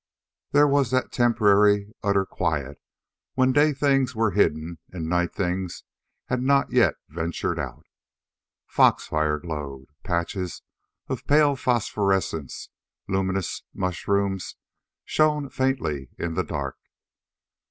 There was that temporary, utter quiet when day things were hidden and night things had not yet ventured out. Fox fire glowed. Patches of pale phosphorescence luminous mushrooms shone faintly in the dark.